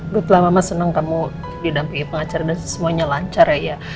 betul mama senang kamu didampingi pengacara dan semuanya lancar ya